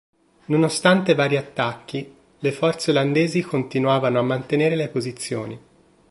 Nonostante vari attacchi le forze olandesi continuavano a mantenere le posizioni.